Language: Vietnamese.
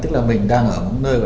tức là mình đang ở một nơi